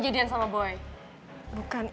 jadian sama boy bukan